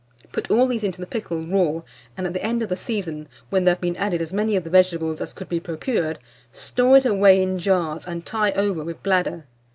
Put all these into the pickle raw, and at the end of the season, when there have been added as many of the vegetables as could be procured, store it away in jars, and tie over with bladder.